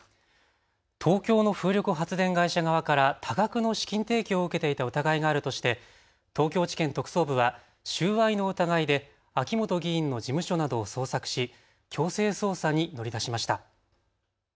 東京の風力発電会社側から多額の資金提供を受けていた疑いがあるとして東京地検特捜部は収賄の疑いで秋本議員の事務所などを捜索し強制捜査に乗り出しました。